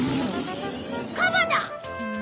カバだ！